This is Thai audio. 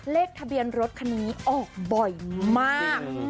เลขทะเบียนรถคันนี้ออกบ่อยมาก